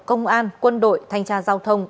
công an quân đội thanh tra giao thông